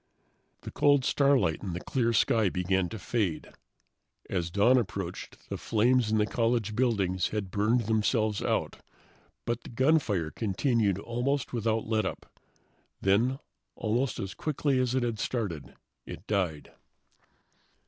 The cold starlight of the clear sky began to fade. As dawn approached, the flames in the college buildings had burned themselves out. But the gunfire continued almost without letup. Then, almost as quickly as it had started, it died.